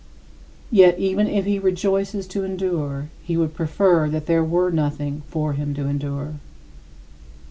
Yet even if he rejoices to endure, he would prefer that there were nothing for him to endure.